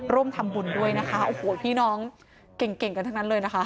ร่วมทำบุญด้วยนะคะโอ้โหพี่น้องเก่งเก่งกันทั้งนั้นเลยนะคะ